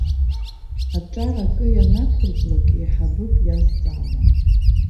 Аҿар акы ианақәырклак, еиҳабык иазҵаауам.